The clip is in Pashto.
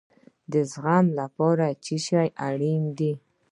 د زغم لپاره څه شی اړین دی؟